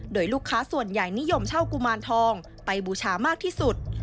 โดยลูกค้าส่วนใหญ่นิยมเช่ากุมารทองไปบูชามากที่สุด